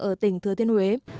ở tỉnh thừa thiên huế